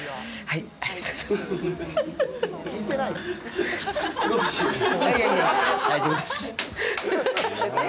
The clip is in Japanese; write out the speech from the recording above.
いやいや、大丈夫です。